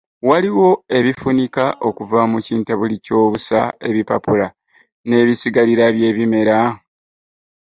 Waliwo ebifunika okuva mu kintabuli ky’obusa, ebipapula n’ebisigalira by’ebimera.